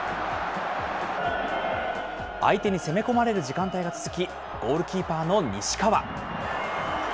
相手に攻め込まれる時間帯が続き、ゴールキーパーの西川。